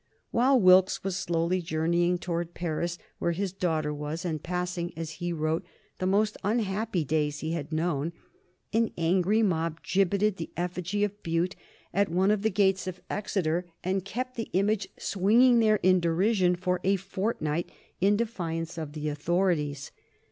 While Wilkes was slowly journeying towards Paris, where his daughter was, and passing, as he wrote, "the most unhappy days he had known," an angry mob gibbeted the effigy of Bute at one of the gates of Exeter, and kept the image swinging there in derision for a fortnight in defiance of the authorities.